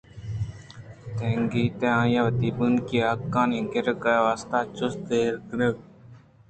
تنیگت ءَآوتی بنکی حقانی گرگ ءِ واستہ چست ءُایر ءَ اِنت